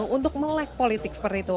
untuk melek politik seperti itu